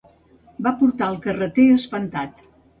Va portar el carreter espantat.